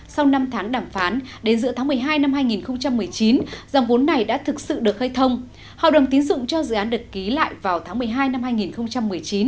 sau năm tháng đàm phán đến giữa tháng một mươi hai năm hai nghìn một mươi chín dòng vốn này đã thực sự được khai thông hợp đồng tín dụng cho dự án được ký lại vào tháng một mươi hai năm hai nghìn một mươi chín